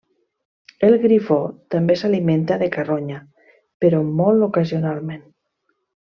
El grifó també s'alimenta de carronya, però molt ocasionalment.